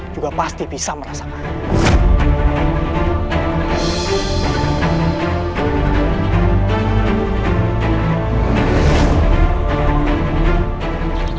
juga pasti bisa merasakan